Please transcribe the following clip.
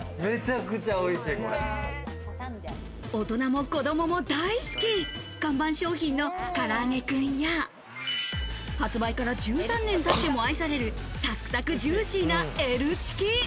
大人も子供も大好き、看板商品のからあげクンや、発売から１３年経っても愛されるサクサクジューシーなＬチキ。